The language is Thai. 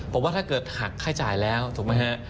ผมว่าถ้าเกิดหักค่าจ่ายแล้วถูกไหมฮะ